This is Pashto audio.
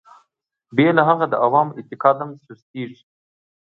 بې له هغه د عوامو اعتقاد هم سستېږي.